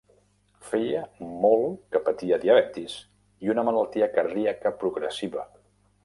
Feia molt que patia diabetis i una malaltia cardíaca progressiva.